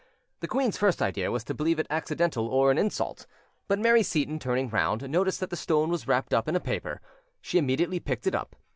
The queen's first idea was to believe it accidental or an insult; but Mary Seyton, turning round, noticed that the stone was wrapped up in a paper: she immediately picked it up.